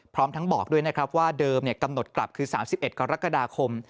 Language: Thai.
พร้อมทั้งบอกด้วยนะครับว่าเดิมกำหนดกลับคือ๓๑กรกฎาคม